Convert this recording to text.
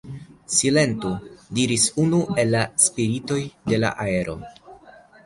Silentu, diris unu el la spiritoj de la aero.